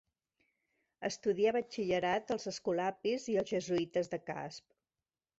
Estudià batxillerat als Escolapis i als Jesuïtes de Casp.